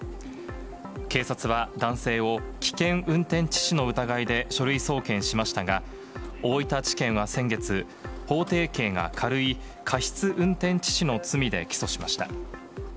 警察は男性を、危険運転致死の疑いで書類送検しましたが、大分地検は先月、法定刑が軽い、過失運転致死の罪で起訴しました。